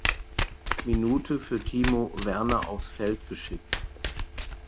Minute für Timo Werner aufs Feld geschickt.